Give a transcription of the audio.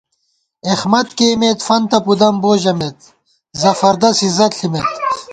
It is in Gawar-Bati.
اېخمت کېئیمېت فنتہ پُدَم بو ژَمېت ، زفردس عزت ݪِمېت